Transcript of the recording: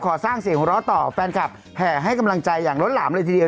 สร้างเสียงหัวเราะต่อแฟนคลับแห่ให้กำลังใจอย่างล้นหลามเลยทีเดียว